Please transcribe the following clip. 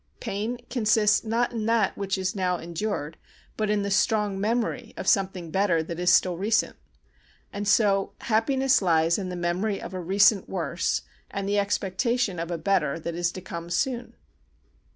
Pain consists not in that which is now endured but in the strong memory of something better that is still recent. And so, happiness lies in the memory of a recent worse and the expectation of a better that is to come soon.